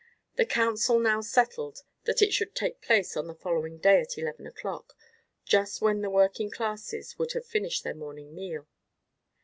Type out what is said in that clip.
The council now settled that it should take place on the following day at eleven o'clock, just when the working classes would have finished their morning meal.